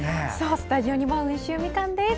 スタジオにも温州みかんです。